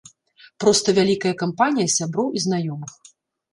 Проста вялікая кампанія сяброў і знаёмых.